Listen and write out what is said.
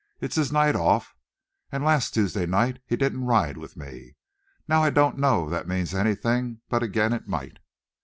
It's his night off. And last Toosday night he didn't ride with me. Now I don't know's that means anything, but agin it might."